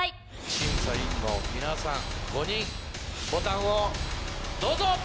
審査員の皆さん５人ボタンをどうぞ！